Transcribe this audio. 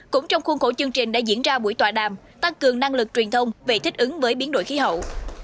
cũng trong khuôn khổ chương trình đã diễn ra buổi tòa đàm tăng cường năng lực truyền thông về thích ứng với biến đổi khí hậu